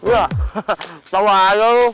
wah tau aja lo